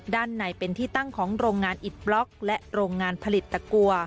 ด้านในเป็นที่ตั้งของโรงงานอิดบล็อกและโรงงานผลิตตะกัว